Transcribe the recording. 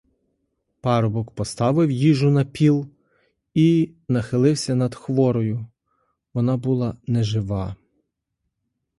Парубок поставив їжу на піл і нахилився над хворою — вона була нежива.